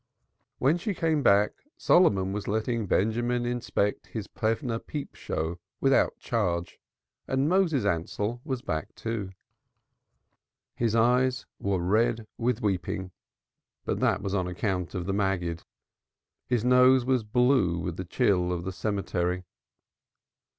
When she came back Solomon was letting Benjamin inspect his Plevna peep show without charge and Moses Ansell was back, too. His eyes were red with weeping, but that was on account of the Maggid. His nose was blue with the chill of the cemetery.